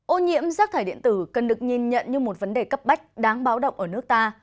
ô nhiễm rác thải điện tử cần được nhìn nhận như một vấn đề cấp bách đáng báo động ở nước ta